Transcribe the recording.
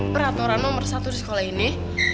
peraturan nomor satu di sekolah ini